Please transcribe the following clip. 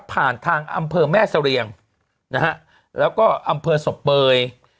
ผ่านทางอำเภอแม่สะเรียงแล้วก็อำเภอสบเบย